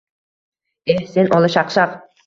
Eh, sen, olashaqshaq!”